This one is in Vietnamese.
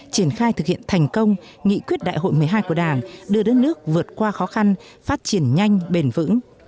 triển khai thực hiện thành công nghị quyết đại hội một mươi hai của đảng đưa đất nước vượt qua khó khăn phát triển nhanh bền vững